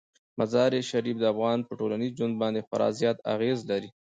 مزارشریف د افغانانو په ټولنیز ژوند باندې خورا زیات اغېز لري.